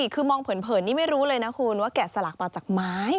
คือมองเผินนี่ไม่รู้เลยนะคุณว่าแกะสลักมาจากไม้